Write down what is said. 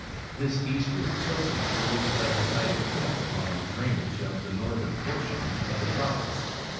This eastward tilting produced a decided effect upon the drainage of the northern portion of the province.